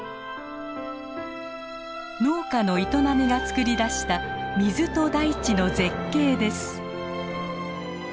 農家の営みが作り出した水と大地の絶景です。